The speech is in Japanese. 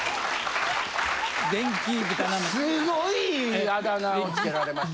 すごいあだ名をつけられました。